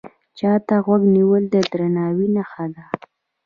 چا ته غوږ نیول د درناوي نښه ده